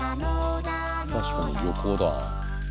確かに旅行だ。